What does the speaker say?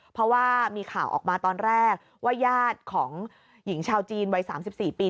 เพราะว่ามีข่าวออกมาตอนแรกว่าญาติของหญิงชาวจีนวัย๓๔ปี